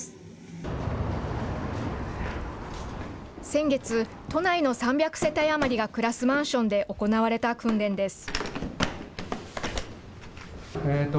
先月、都内の３００世帯余りが暮らすマンションで行われた訓練です。